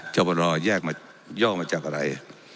จบรอแยกมาย่อมาจากอะไร